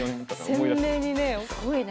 鮮明にねえすごいねえ。